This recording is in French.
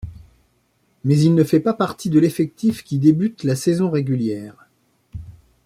Mais, il ne fait pas partie de l'effectif qui débute la saison régulière.